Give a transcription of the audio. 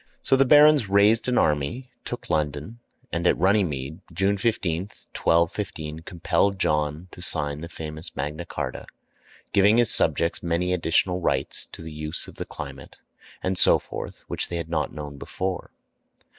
So the barons raised an army, took London, and at Runnymede, June 15, 1215, compelled John to sign the famous Magna Charta, giving his subjects many additional rights to the use of the climate, and so forth, which they had not known before.